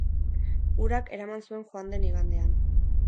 Urak eraman zuen joan den igandean.